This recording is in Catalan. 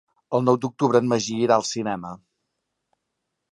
El nou d'octubre en Magí irà al cinema.